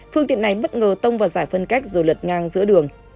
phương tiện này bất ngờ tông vào giải phân cách rồi lật ngang giữa đường